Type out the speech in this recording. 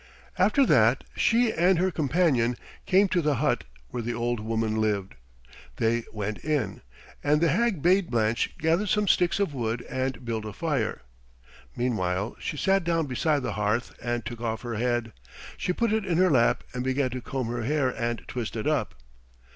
After that she and her companion came to the hut where the old woman lived. They went in, and the hag bade Blanche gather some sticks of wood and build a fire. Meanwhile she sat down beside the hearth and took off her head. She put it in her lap and began to comb her hair and twist it up.